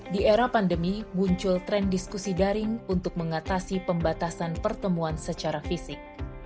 di era pandemi muncul tren diskusi daring untuk mengatasi pembatasan pertemuan secara fisik